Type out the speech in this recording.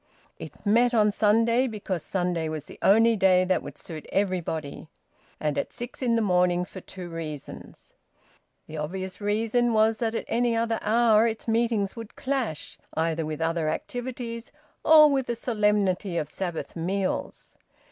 It met on Sunday because Sunday was the only day that would suit everybody; and at six in the morning for two reasons. The obvious reason was that at any other hour its meetings would clash either with other activities or with the solemnity of Sabbath meals.